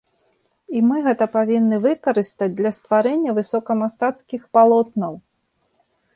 І мы гэта павінны выкарыстаць для стварэння высокамастацкіх палотнаў.